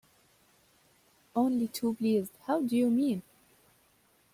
Only too pleased. How do you mean?